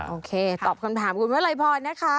โอเคตอบกันผ่าคุณเวลพี่พลนะคะ